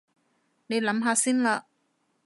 你諗下先啦